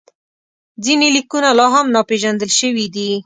ځینې لیکونه لا هم ناپېژندل شوي دي.